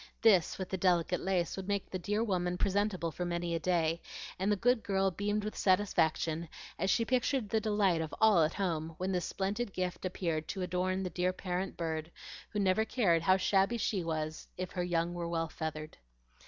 This, with the delicate lace, would make the dear woman presentable for many a day, and the good girl beamed with satisfaction as she pictured the delight of all at home when this splendid gift appeared to adorn the dear parent bird, who never cared how shabby she was if her young were well feathered.